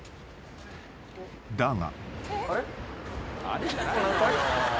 ［だが］